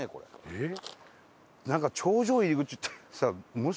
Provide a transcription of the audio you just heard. えっ？